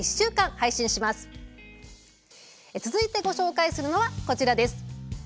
続いてご紹介するのはこちらです。